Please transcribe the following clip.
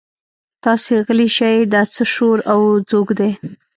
تاسې غلي شئ دا څه شور او ځوږ دی.